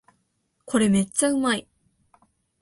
これめっちゃうまい